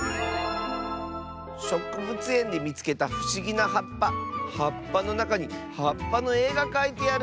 「しょくぶつえんでみつけたふしぎなはっぱはっぱのなかにはっぱのえがかいてある！」。